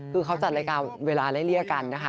คือเขาจัดรายการเวลาไล่เลี่ยกันนะคะ